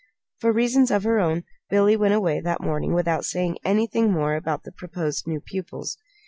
For reasons of her own Billy went away that morning without saying anything more about the proposed new pupils.